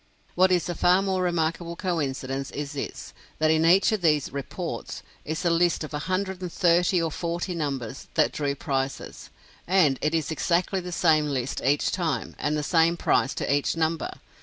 What is a far more remarkable coincidence is this; that in each of these "reports" is a list of a hundred and thirty or forty numbers that drew prizes, and it is exactly the same list each time, and the same prize to each number!